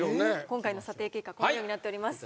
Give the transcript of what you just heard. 今回の査定結果このようになっております。